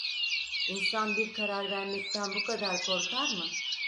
İnsan bir karar vermekten bu kadar korkar mı?